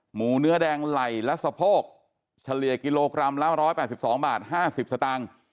หมูเนื้อแดงไหล่และสะโพกเฉลี่ยกิโลกรัมละ๑๘๒บาท๕๐สตางค์